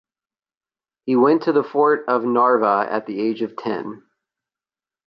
He went to the fort of Narva at the age of ten.